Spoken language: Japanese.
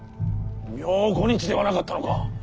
明後日ではなかったのか。